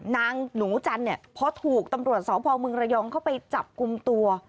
นางหนูจันเนี่ยพอถูกตำรวจสพมระยองเข้าไปจับกลุ่มตัว